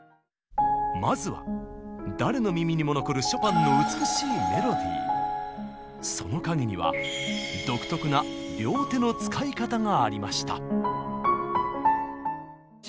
まずは誰の耳にも残るショパンのその陰には独特な両手の使い方がありました。